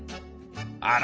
あら！